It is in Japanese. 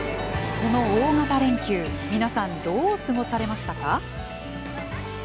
この大型連休みなさんどう過ごされましたか。